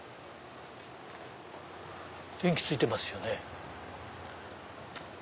電気ついてますよね。